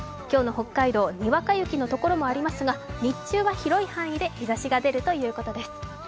今日の北海道、にわか雪のところもありますが、日中は広い範囲で日ざしが出るということです。